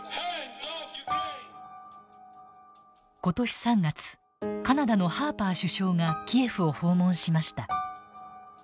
今年３月カナダのハーパー首相がキエフを訪問しました。